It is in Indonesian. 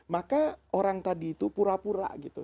maka orang tadi itu pura pura gitu